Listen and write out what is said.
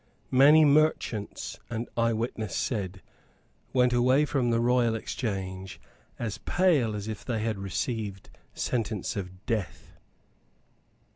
Many merchants, an eyewitness said, went away from the Royal Exchange, as pale as if they had received sentence of death.